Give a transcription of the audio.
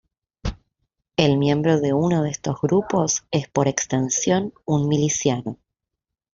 El miembro de uno de estos grupos es, por extensión, un miliciano.